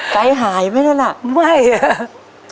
ไกลหายไหมนั่น